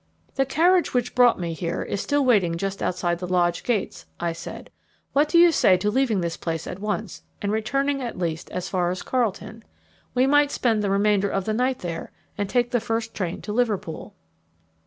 "The carriage which brought me here is still waiting just outside the lodge gates," I said. "What do you say to leaving this place at once, and returning, at least, as far as Carlton? We might spend the remainder of the night there, and take the very first train to Liverpool."